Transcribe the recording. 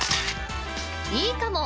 いいかも！